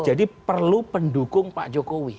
jadi perlu pendukung pak jokowi